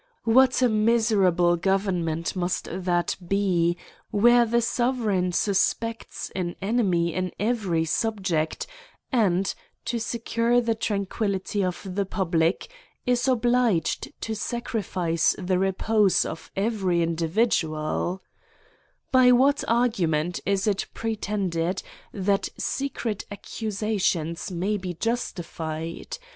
What a miserable government must that be where the sovereign suspects an enemy in every subject^ and*, to secure the tranquillity of the public, is obliged to sacrifice the repose of every individuaL By what argument is it pretended that secret accusations may be justified?